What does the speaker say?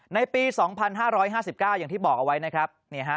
ในปี๒๕๕๙อย่างที่บอกเอาไว้นะครับ